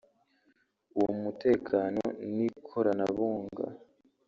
uwo mutekano n’ikoranabunga